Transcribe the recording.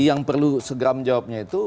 jadi yang perlu segram jawabnya itu